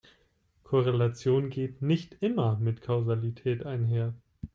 Korrelation geht nicht immer mit Kausalität einher.